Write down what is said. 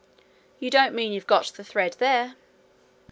'You don't mean you've got the thread there?'